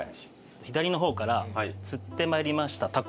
左の方から釣って参りましたタコ。